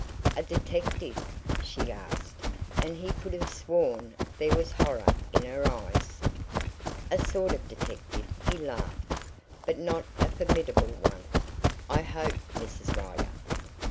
"A detective?" she asked, and he could have sworn there was horror in her eyes. "A sort of detective," he laughed, "but not a formidable one, I hope, Mrs. Rider."